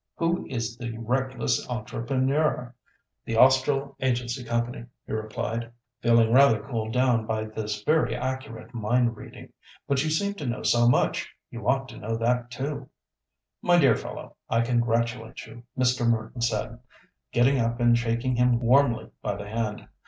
Who is the reckless entrepreneur?" "The Austral Agency Company," he replied, feeling rather cooled down by this very accurate mind reading; "but you seem to know so much, you ought to know that too." "My dear fellow, I congratulate you!" Mr. Merton said, getting up and shaking him warmly by the hand.